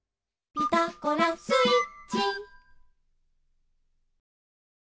「ピタゴラスイッチ」